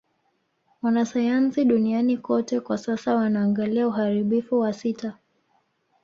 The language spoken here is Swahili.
Wanasayansi duniani kote kwa sasa wanaangalia uharibifu wa sita